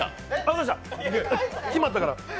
決まったから。